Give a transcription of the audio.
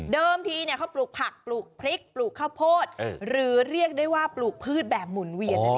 ทีเขาปลูกผักปลูกพริกปลูกข้าวโพดหรือเรียกได้ว่าปลูกพืชแบบหมุนเวียนนั่นเอง